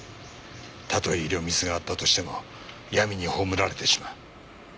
たとえ医療ミスがあったとしても闇に葬られてしまう。